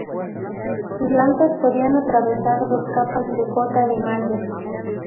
Sus lanzas podían atravesar dos capas de cota de malla.